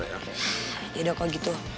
ya dong kok gitu